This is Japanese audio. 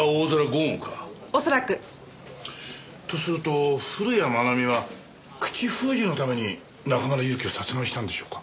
おそらく。とすると古谷愛美は口封じのために中村祐樹を殺害したんでしょうか？